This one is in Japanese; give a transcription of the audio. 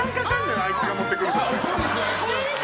あいつが持ってくると。